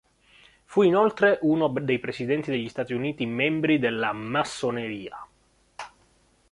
Fu inoltre uno dei presidenti degli Stati Uniti membri della Massoneria.